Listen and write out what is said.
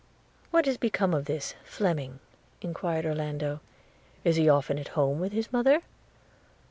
.' 'What is become of this Fleming?' enquired Orlando, 'is he often at home with his mother?'